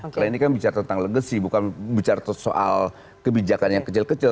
karena ini kan bicara tentang legacy bukan bicara soal kebijakan yang kecil kecil